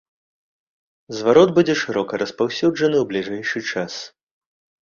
Зварот будзе шырока распаўсюджаны ў бліжэйшы час.